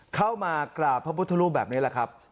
เข้ามากราบพระพุทธรูปแบบนี้แหละครับ